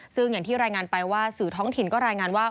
ซึ่งอย่างที่รายงานไปว่าสื่อท้องถิ่นก็รายงานว่า